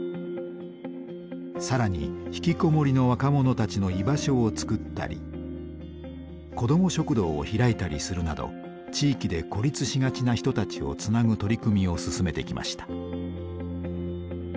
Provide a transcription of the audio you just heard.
更に引きこもりの若者たちの居場所をつくったり子ども食堂を開いたりするなど地域で孤立しがちな人たちをつなぐ取り組みを進めてきました。